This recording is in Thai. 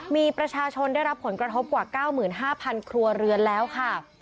มีประชาชนได้รับผลกระทบกว่าเก้าหมื่นห้าพันครัวเรือนแล้วค่ะ